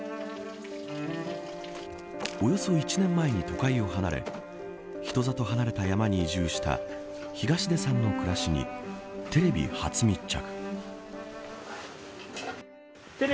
およそ１年前に都会を離れ人里離れた山に移住した東出さんの暮らしにテレビ初密着。